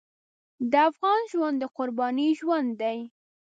د افغان ژوند د قربانۍ ژوند دی.